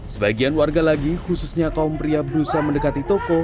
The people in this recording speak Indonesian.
sebagian warga lagi khususnya kaum pria berusaha mendekati toko